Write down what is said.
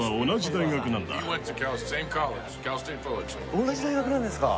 おんなじ大学なんですか。